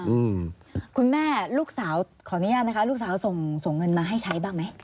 อืมคุณแม่ลูกสาวขออนุญาตนะคะลูกสาวส่งส่งเงินมาให้ใช้บ้างไหม